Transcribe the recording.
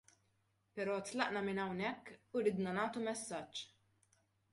Però tlaqna minn hawnhekk u ridna nagħtu messaġġ.